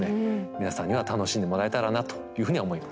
皆さんには楽しんでもらえたらなというふうに思います。